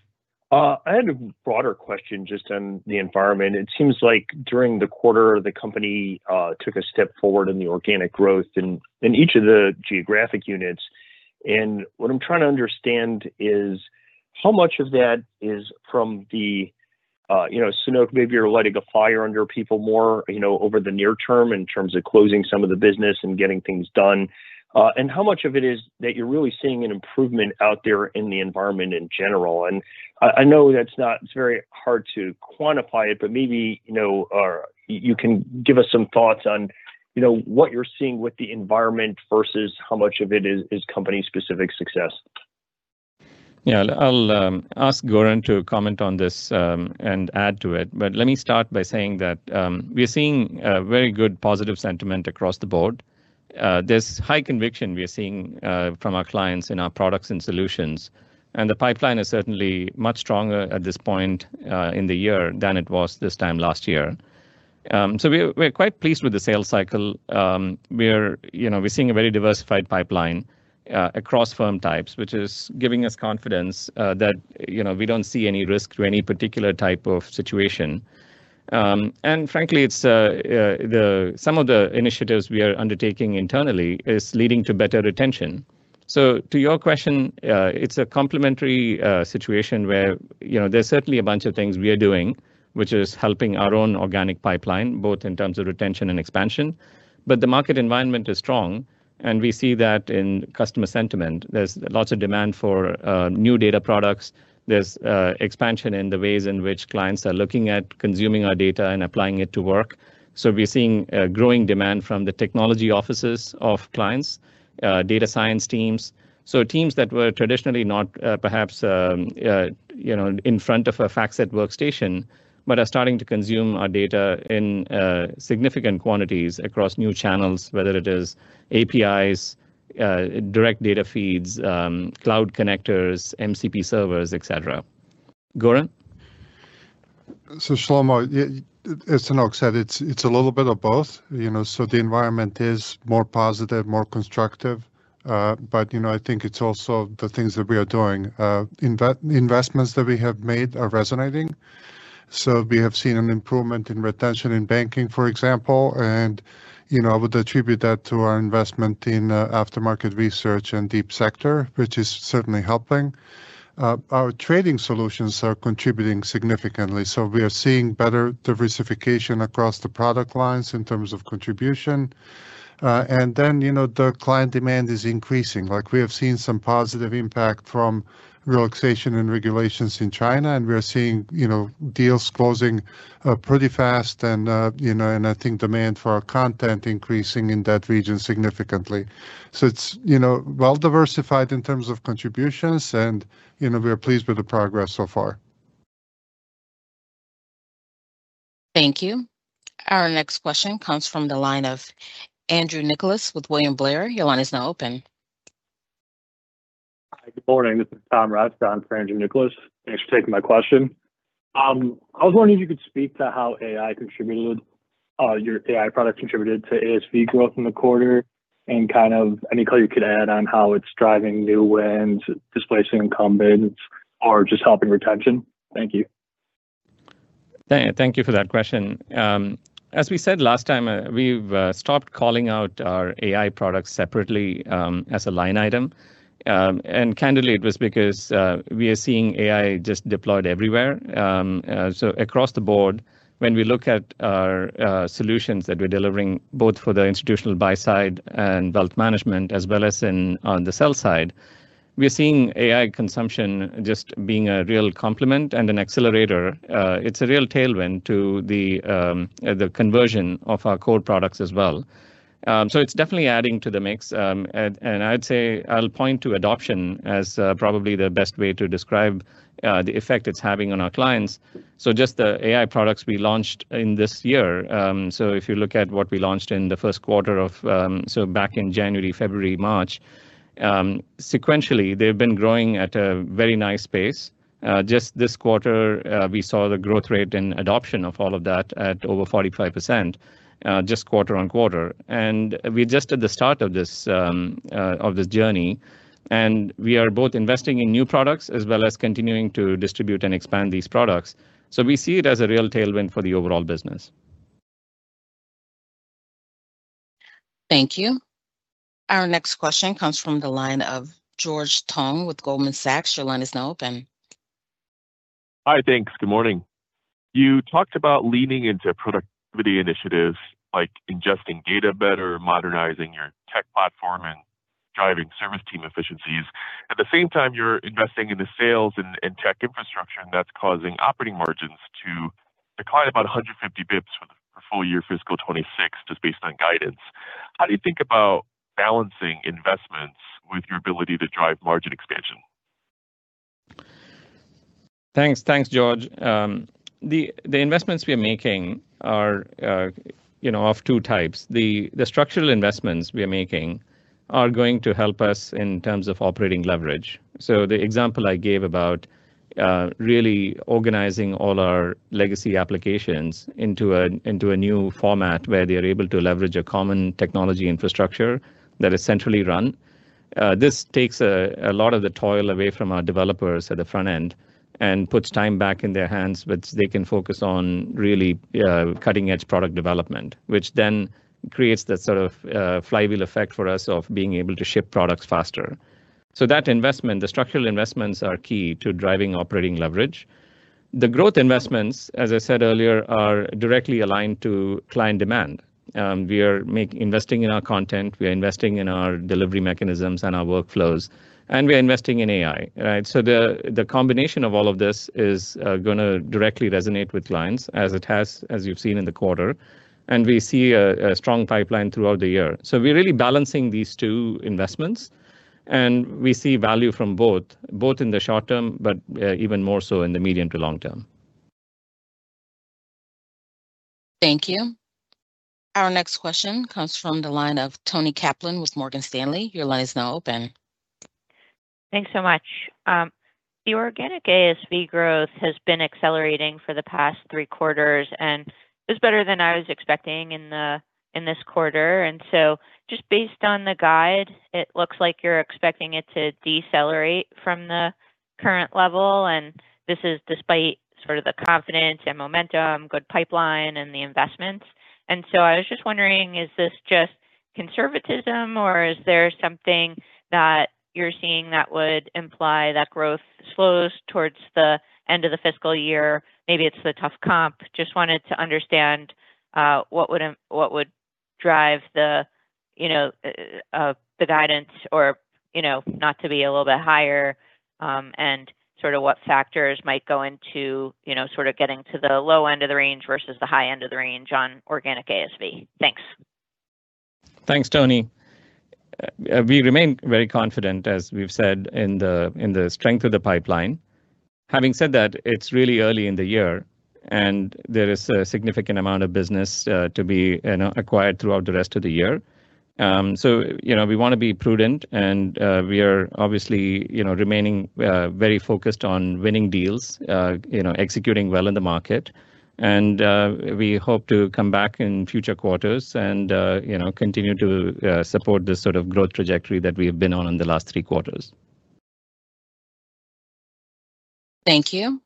I had a broader question just on the environment. It seems like during the quarter, the company took a step forward in the organic growth in each of the geographic units. What I'm trying to understand is how much of that is from the maybe you're lighting a fire under people more over the near term in terms of closing some of the business and getting things done, and how much of it is that you're really seeing an improvement out there in the environment in general. I know that's not very hard to quantify it, but maybe you can give us some thoughts on what you're seeing with the environment versus how much of it is company-specific success. Yeah. I'll ask Goran to comment on this and add to it. Let me start by saying that we are seeing very good positive sentiment across the board. There's high conviction we are seeing from our clients in our products and solutions. And the pipeline is certainly much stronger at this point in the year than it was this time last year. So we're quite pleased with the sales cycle. We're seeing a very diversified pipeline across firm types, which is giving us confidence that we don't see any risk to any particular type of situation. And frankly, some of the initiatives we are undertaking internally are leading to better retention. So to your question, it's a complementary situation where there's certainly a bunch of things we are doing, which is helping our own organic pipeline, both in terms of retention and expansion. But the market environment is strong, and we see that in customer sentiment. There's lots of demand for new data products. There's expansion in the ways in which clients are looking at consuming our data and applying it to work. So we're seeing growing demand from the technology offices of clients, data science teams, so teams that were traditionally not perhaps in front of a FactSet Workstation but are starting to consume our data in significant quantities across new channels, whether it is APIs, direct data feeds, Cloud Connectors, MCP servers, etc. Goran? So Shlomo, as Sanoke said, it's a little bit of both. So the environment is more positive, more constructive. But I think it's also the things that we are doing. Investments that we have made are resonating. So we have seen an improvement in retention in banking, for example. And I would attribute that to our investment in aftermarket research and Deep Sector, which is certainly helping. Our trading solutions are contributing significantly. So we are seeing better diversification across the product lines in terms of contribution. And then the client demand is increasing. We have seen some positive impact from relaxation in regulations in China, and we are seeing deals closing pretty fast, and I think demand for our content is increasing in that region significantly, so it's well-diversified in terms of contributions, and we are pleased with the progress so far. Thank you. Our next question comes from the line of Andrew Nicholas with William Blair. Your line is now open. Hi. Good morning. This is Tom Raska for Andrew Nicholas. Thanks for taking my question. I was wondering if you could speak to how AI contributed, your AI product contributed to ASV growth in the quarter, and kind of any color you could add on how it's driving new wins, displacing incumbents, or just helping retention. Thank you. Thank you for that question. As we said last time, we've stopped calling out our AI products separately as a line item. And candidly, it was because we are seeing AI just deployed everywhere. So across the board, when we look at our solutions that we're delivering both for the institutional buy-side and wealth management, as well as on the sell side, we are seeing AI consumption just being a real complement and an accelerator. It's a real tailwind to the conversion of our core products as well. So it's definitely adding to the mix. And I'd say I'll point to adoption as probably the best way to describe the effect it's having on our clients. So just the AI products we launched in this year. So if you look at what we launched in the first quarter or so back in January, February, March, sequentially, they've been growing at a very nice pace. Just this quarter, we saw the growth rate and adoption of all of that at over 45% just quarter on quarter. And we're just at the start of this journey. And we are both investing in new products as well as continuing to distribute and expand these products. So we see it as a real tailwind for the overall business. Thank you. Our next question comes from the line of George Tong with Goldman Sachs. Your line is now open. Hi. Thanks. Good morning. You talked about leaning into productivity initiatives like ingesting data better, modernizing your tech platform, and driving service team efficiencies. At the same time, you're investing in the sales and tech infrastructure, and that's causing operating margins to decline about 150 basis points for full-year fiscal 2026, just based on guidance. How do you think about balancing investments with your ability to drive margin expansion? Thanks. Thanks, George. The investments we are making are of two types. The structural investments we are making are going to help us in terms of operating leverage. So the example I gave about really organizing all our legacy applications into a new format where they are able to leverage a common technology infrastructure that is centrally run. This takes a lot of the toil away from our developers at the front end and puts time back in their hands, which they can focus on really cutting-edge product development, which then creates that sort of flywheel effect for us of being able to ship products faster. So that investment, the structural investments are key to driving operating leverage. The growth investments, as I said earlier, are directly aligned to client demand. We are investing in our content. We are investing in our delivery mechanisms and our workflows. We are investing in AI, right? So the combination of all of this is going to directly resonate with clients, as it has, as you've seen in the quarter. We see a strong pipeline throughout the year. We're really balancing these two investments. We see value from both, both in the short term, but even more so in the medium to long term. Thank you. Our next question comes from the line of Toni Kaplan with Morgan Stanley. Your line is now open. Thanks so much. The organic ASV growth has been accelerating for the past three quarters, and it was better than I was expecting in this quarter. Just based on the guide, it looks like you're expecting it to decelerate from the current level. This is despite sort of the confidence and momentum, good pipeline, and the investments. I was just wondering, is this just conservatism, or is there something that you're seeing that would imply that growth slows towards the end of the fiscal year? Maybe it's the tough comp. Just wanted to understand what would drive the guidance or not to be a little bit higher and sort of what factors might go into sort of getting to the low end of the range versus the high end of the range on organic ASV. Thanks. Thanks, Tony. We remain very confident, as we've said, in the strength of the pipeline. Having said that, it's really early in the year, and there is a significant amount of business to be acquired throughout the rest of the year. So we want to be prudent, and we are obviously remaining very focused on winning deals, executing well in the market. We hope to come back in future quarters and continue to support this sort of growth trajectory that we have been on in the last three quarters. Thank you.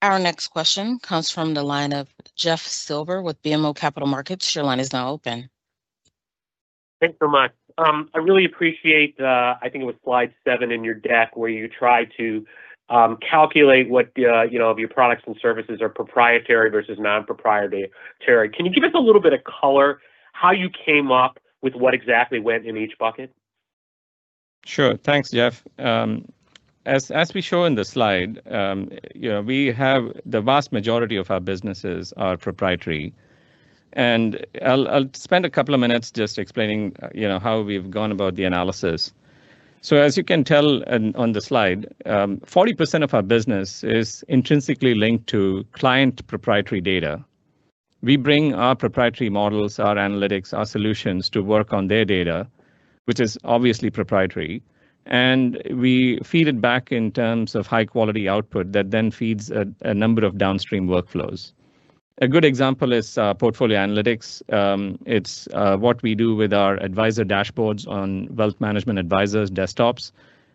Our next question comes from the line of Jeff Silber with BMO Capital Markets. Your line is now open. Thanks so much. I really appreciate, I think it was slide seven in your deck where you tried to calculate what of your products and services are proprietary versus non-proprietary. Can you give us a little bit of color how you came up with what exactly went in each bucket? Sure. Thanks, Jeff. As we show in the slide, we have the vast majority of our businesses are proprietary. And I'll spend a couple of minutes just explaining how we've gone about the analysis. So as you can tell on the slide, 40% of our business is intrinsically linked to client proprietary data. We bring our proprietary models, our analytics, our solutions to work on their data, which is obviously proprietary. And we feed it back in terms of high-quality output that then feeds a number of downstream workflows. A good example is portfolio analytics. It's what we do with our advisor dashboards on wealth management advisors' desktops.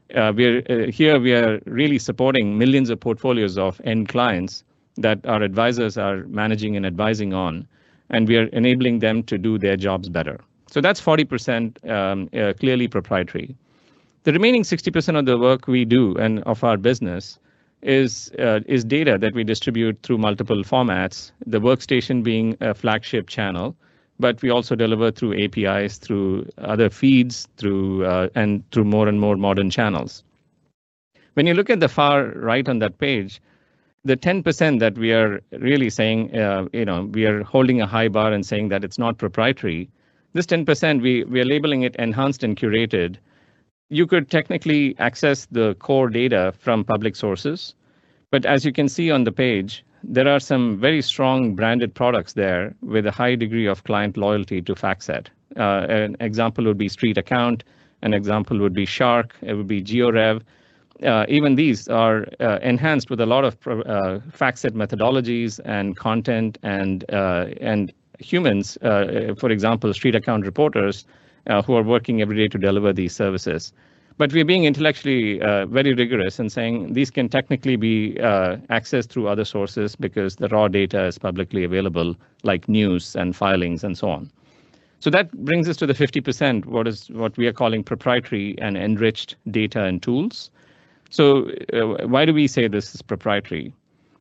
Here, we are really supporting millions of portfolios of end clients that our advisors are managing and advising on, and we are enabling them to do their jobs better. So that's 40% clearly proprietary. The remaining 60% of the work we do and of our business is data that we distribute through multiple formats, the workstation being a flagship channel, but we also deliver through APIs, through other feeds, and through more and more modern channels. When you look at the far right on that page, the 10% that we are really saying we are holding a high bar and saying that it's not proprietary, this 10%, we are labeling it enhanced and curated. You could technically access the core data from public sources. But as you can see on the page, there are some very strong branded products there with a high degree of client loyalty to FactSet. An example would be StreetAccount. An example would be Shark. It would be GeoRev. Even these are enhanced with a lot of FactSet methodologies and content and humans, for example, StreetAccount reporters who are working every day to deliver these services. But we are being intellectually very rigorous in saying these can technically be accessed through other sources because the raw data is publicly available, like news and filings and so on. That brings us to the 50%, what we are calling proprietary and enriched data and tools. Why do we say this is proprietary?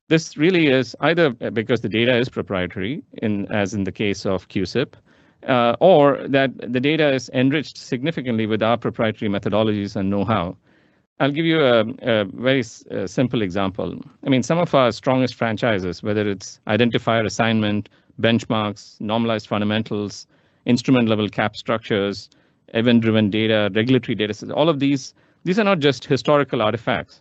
This really is either because the data is proprietary, as in the case of CUSIP, or that the data is enriched significantly with our proprietary methodologies and know-how. I'll give you a very simple example. I mean, some of our strongest franchises, whether it's identifier assignment, benchmarks, normalized fundamentals, instrument-level cap structures, event-driven data, regulatory data sets, all of these, these are not just historical artifacts.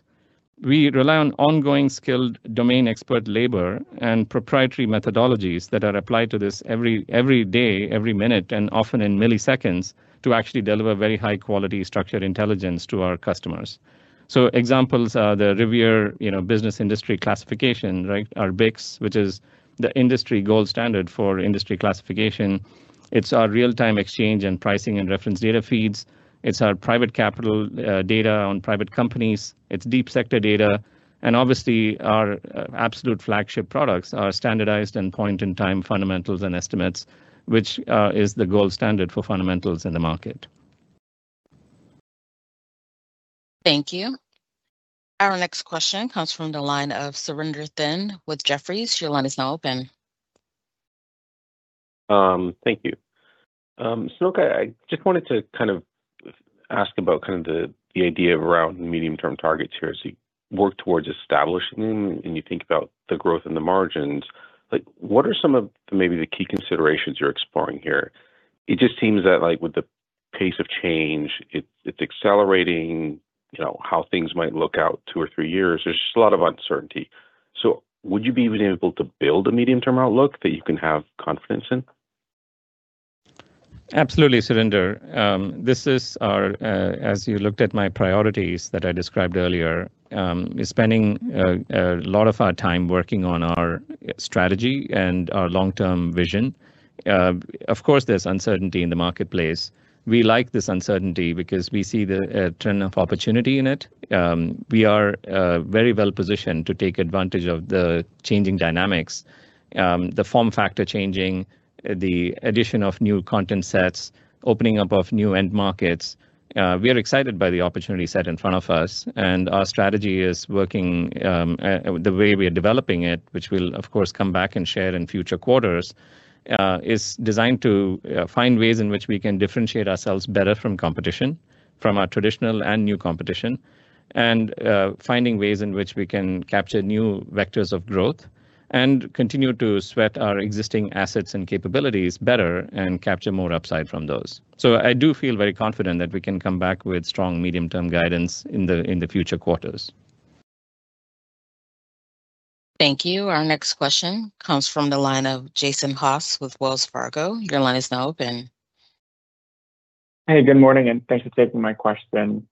We rely on ongoing skilled domain expert labor and proprietary methodologies that are applied to this every day, every minute, and often in milliseconds to actually deliver very high-quality structured intelligence to our customers. Examples are the Revere Business Industry Classification, right, our BICS, which is the industry gold standard for industry classification. It's our real-time exchange and pricing and reference data feeds. It's our private capital data on private companies. It's deep sector data. And obviously, our absolute flagship products are standardized and point-in-time fundamentals and estimates, which is the gold standard for fundamentals in the market. Thank you. Our next question comes from the line of Surinder Thind with Jefferies. Your line is now open. Thank you. Sanoke, I just wanted to kind of ask about kind of the idea around medium-term targets here. So you work towards establishing them, and you think about the growth and the margins. What are some of maybe the key considerations you're exploring here? It just seems that with the pace of change, it's accelerating how things might look out two or three years. There's just a lot of uncertainty. Would you be able to build a medium-term outlook that you can have confidence in? Absolutely, Surinder. This is our, as you looked at my priorities that I described earlier, spending a lot of our time working on our strategy and our long-term vision. Of course, there's uncertainty in the marketplace. We like this uncertainty because we see the turn of opportunity in it. We are very well-positioned to take advantage of the changing dynamics, the form factor changing, the addition of new content sets, opening up of new end markets. We are excited by the opportunity set in front of us. Our strategy is working the way we are developing it, which we'll, of course, come back and share in future quarters, is designed to find ways in which we can differentiate ourselves better from competition, from our traditional and new competition, and finding ways in which we can capture new vectors of growth and continue to sweat our existing assets and capabilities better and capture more upside from those, so I do feel very confident that we can come back with strong medium-term guidance in the future quarters. Thank you. Our next question comes from the line of Jason Haas with Wells Fargo. Your line is now open. Hey, good morning, and thanks for taking my question.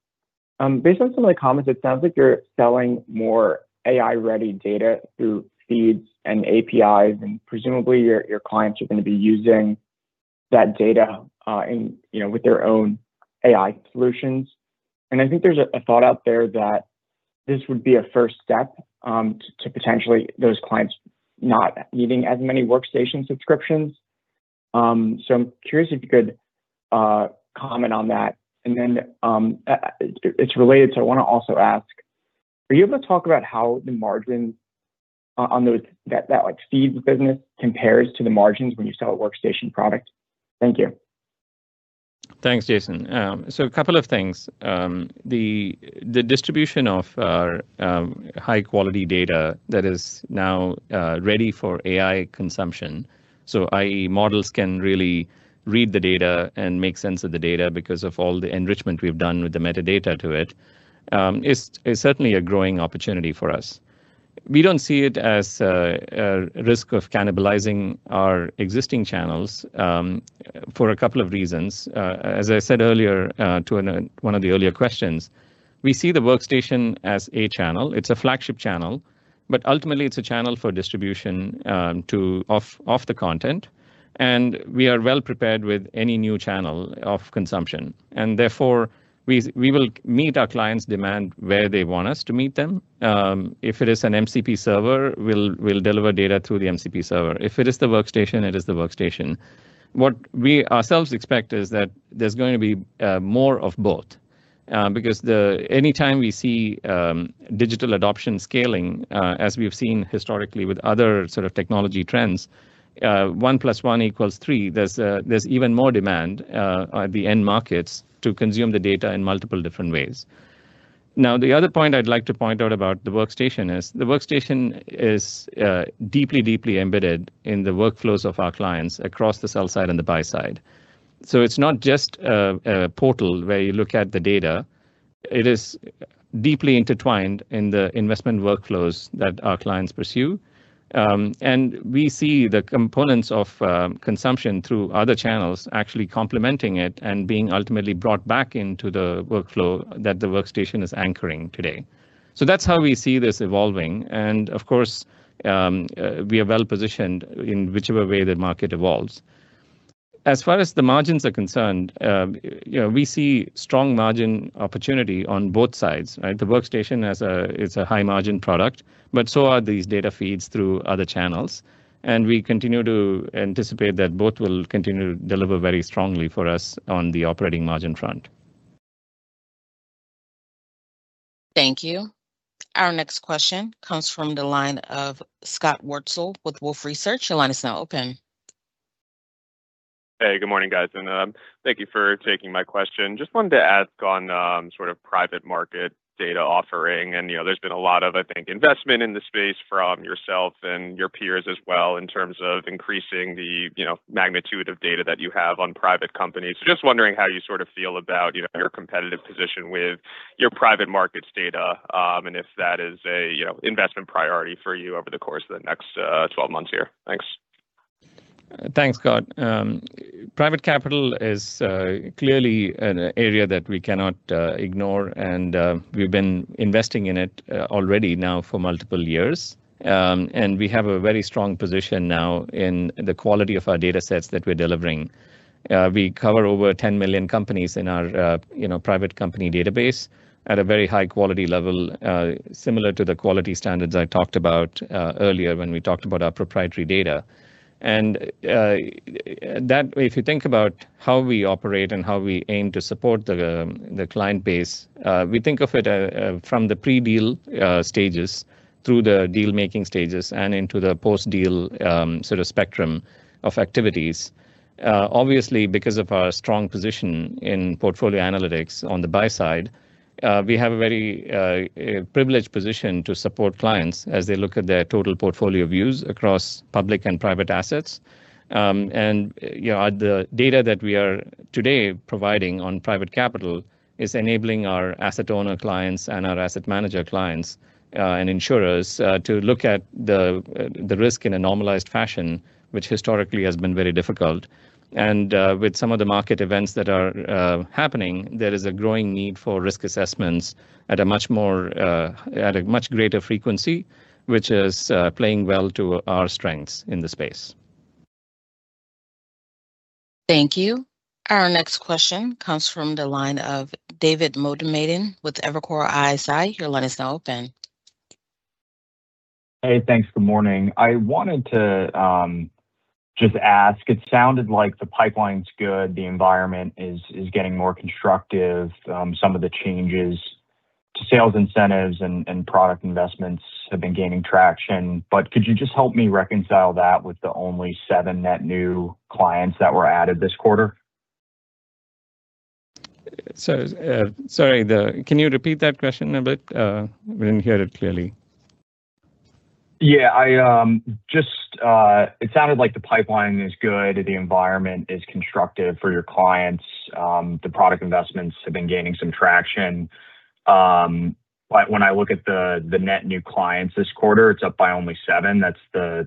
Based on some of the comments, it sounds like you're selling more AI-ready data through feeds and APIs, and presumably, your clients are going to be using that data with their own AI solutions. And I think there's a thought out there that this would be a first step to potentially those clients not needing as many workstation subscriptions. So I'm curious if you could comment on that. And then it's related to, I want to also ask, are you able to talk about how the margins on that feed business compares to the margins when you sell a workstation product? Thank you. Thanks, Jason. So a couple of things. The distribution of our high-quality data that is now ready for AI consumption, so, i.e., models can really read the data and make sense of the data because of all the enrichment we've done with the metadata to it, is certainly a growing opportunity for us. We don't see it as a risk of cannibalizing our existing channels for a couple of reasons. As I said earlier to one of the earlier questions, we see the Workstation as a channel. It's a flagship channel, but ultimately, it's a channel for distribution to offer the content. And we are well-prepared with any new channel of consumption. And therefore, we will meet our clients' demand where they want us to meet them. If it is an MCP server, we'll deliver data through the MCP server. If it is the Workstation, it is the Workstation. What we ourselves expect is that there's going to be more of both because anytime we see digital adoption scaling, as we've seen historically with other sort of technology trends, one plus one equals three, there's even more demand at the end markets to consume the data in multiple different ways. Now, the other point I'd like to point out about the workstation is the workstation is deeply, deeply embedded in the workflows of our clients across the sell side and the buy side. So it's not just a portal where you look at the data. It is deeply intertwined in the investment workflows that our clients pursue. And we see the components of consumption through other channels actually complementing it and being ultimately brought back into the workflow that the workstation is anchoring today. So that's how we see this evolving. Of course, we are well-positioned in whichever way the market evolves. As far as the margins are concerned, we see strong margin opportunity on both sides. The Workstation is a high-margin product, but so are these data feeds through other channels. And we continue to anticipate that both will continue to deliver very strongly for us on the operating margin front. Thank you. Our next question comes from the line of Scott Wurtzel with Wolfe Research. Your line is now open. Hey, good morning, guys. Thank you for taking my question. Just wanted to ask on sort of private market data offering. There's been a lot of, I think, investment in the space from yourself and your peers as well in terms of increasing the magnitude of data that you have on private companies. Just wondering how you sort of feel about your competitive position with your private markets data and if that is an investment priority for you over the course of the next 12 months here? Thanks. Thanks, Scott. Private capital is clearly an area that we cannot ignore, and we've been investing in it already now for multiple years. And we have a very strong position now in the quality of our data sets that we're delivering. We cover over 10 million companies in our private company database at a very high-quality level, similar to the quality standards I talked about earlier when we talked about our proprietary data. And if you think about how we operate and how we aim to support the client base, we think of it from the pre-deal stages through the deal-making stages and into the post-deal sort of spectrum of activities. Obviously, because of our strong position in portfolio analytics on the buy side, we have a very privileged position to support clients as they look at their total portfolio views across public and private assets. And the data that we are today providing on private capital is enabling our asset owner clients and our asset manager clients and insurers to look at the risk in a normalized fashion, which historically has been very difficult. And with some of the market events that are happening, there is a growing need for risk assessments at a much greater frequency, which is playing well to our strengths in the space. Thank you. Our next question comes from the line of David Motemaden with Evercore ISI. Your line is now open. Hey, thanks. Good morning. I wanted to just ask, it sounded like the pipeline's good. The environment is getting more constructive. Some of the changes to sales incentives and product investments have been gaining traction. But could you just help me reconcile that with the only seven net new clients that were added this quarter? Sorry, can you repeat that question a bit? I didn't hear it clearly. Yeah. It sounded like the pipeline is good. The environment is constructive for your clients. The product investments have been gaining some traction. When I look at the net new clients this quarter, it's up by only seven. That's the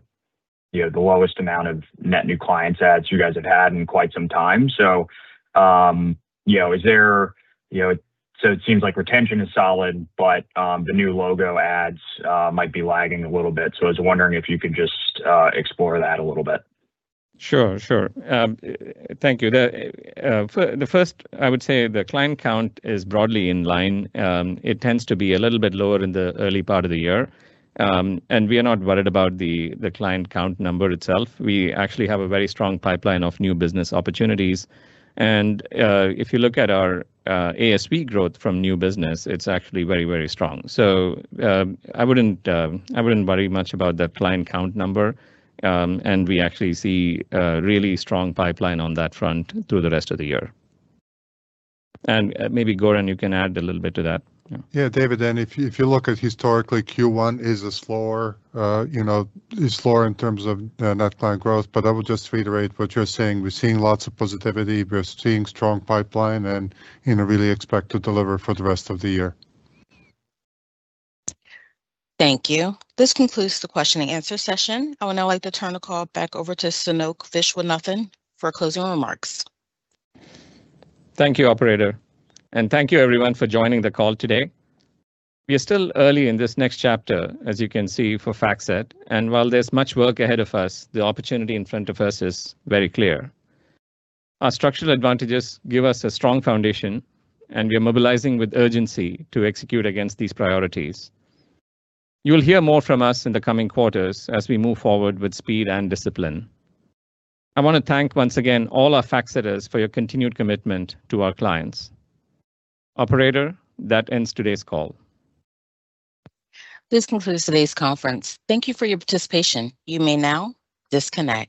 lowest amount of net new clients adds you guys have had in quite some time. So it seems like retention is solid, but the new logo adds might be lagging a little bit. So I was wondering if you could just explore that a little bit. Sure, sure. Thank you. The first, I would say the client count is broadly in line. It tends to be a little bit lower in the early part of the year, and we are not worried about the client count number itself. We actually have a very strong pipeline of new business opportunities, and if you look at our ASV growth from new business, it's actually very, very strong. So I wouldn't worry much about that client count number, and we actually see a really strong pipeline on that front through the rest of the year, and maybe, Goran, you can add a little bit to that. Yeah, David, and if you look at historically, Q1 is a slower in terms of net client growth, but I would just reiterate what you're saying. We're seeing lots of positivity. We're seeing strong pipeline and really expect to deliver for the rest of the year. Thank you. This concludes the question-and-answer session. I would now like to turn the call back over to Sanoke Viswanathan for closing remarks. Thank you, Operator. And thank you, everyone, for joining the call today. We are still early in this next chapter, as you can see, for FactSet. And while there's much work ahead of us, the opportunity in front of us is very clear. Our structural advantages give us a strong foundation, and we are mobilizing with urgency to execute against these priorities. You will hear more from us in the coming quarters as we move forward with speed and discipline. I want to thank once again all our FactSetters for your continued commitment to our clients. Operator, that ends today's call. This concludes today's conference. Thank you for your participation. You may now disconnect.